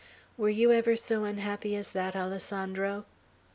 Were you ever so unhappy as that, Alessandro?"